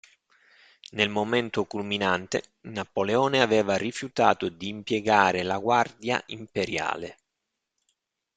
Nel momento culminante, Napoleone aveva rifiutato di impiegare la Guardia imperiale.